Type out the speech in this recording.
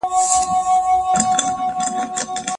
که شمال ډېر تېز شي، پاڼه به ونه لړزوي.